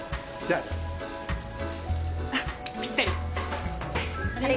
あぴったり。